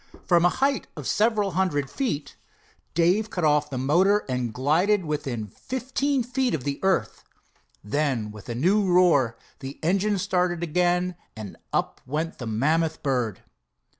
From a height of several hundred feet Dave cut off the motor and glided within fifteen feet of the earth; then with a new roar the engine started again and up went the mammoth bird.